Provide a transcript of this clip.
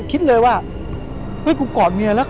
คิดเลยว่าเฮ้ยกูกอดเมียแล้ว